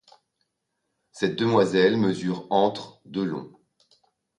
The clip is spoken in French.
Cette demoiselle mesure entre de long.